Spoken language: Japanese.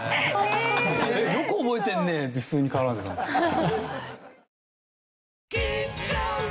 「えっよく覚えてるね」って普通に絡んでたんですけど。